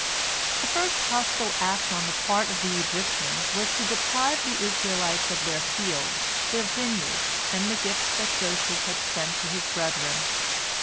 The first hostile act on the part of the Egyptians was to deprive the Israelites of their fields, their vineyards, and the gifts that Joseph had sent to his brethren.